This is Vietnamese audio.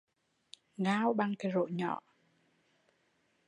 Ngao bằng cái rổ nhỏ